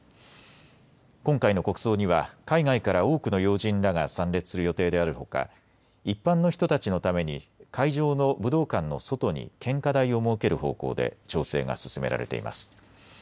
今回の国葬には海外から多くの要人らが参列する予定であるほか一般の人たちのために会場の武道館の外に献花台を設ける方向で調整が進められています。